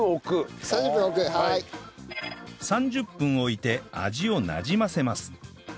３０分置いて味をなじませます